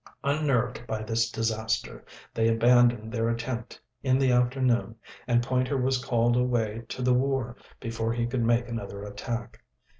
Unnerved by this disaster, they abandoned their attempt in the afternoon, and Pointer was called away to the war before he could make another attack.